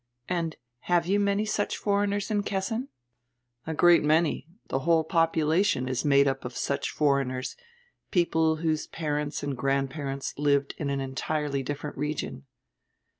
And have you many such foreigners in Kessin?" "A great many. The whole population is made up of such foreigners, people whose parents and grandparents lived in an entirely different region."